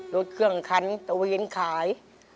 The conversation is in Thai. รถเครื่องคันตะเวนขาย